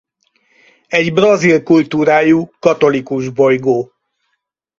Egy brazil kultúrájú katolikus bolygó.